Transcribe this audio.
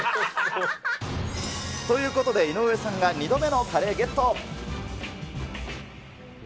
ということで、井上さんが２度目のカレーゲット。